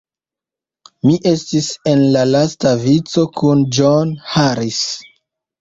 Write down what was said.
Mi estis en la lasta vico, kun John Harris.